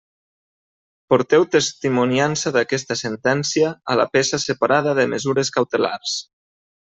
Porteu testimoniança d'aquesta sentència a la peça separada de mesures cautelars.